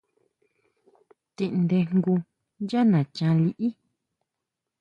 Tindae jngu yá nachan liʼí.